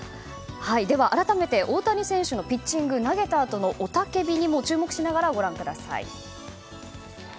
では、改めて大谷選手のピッチング投げたあとの雄叫びにも注目しながらご覧ください。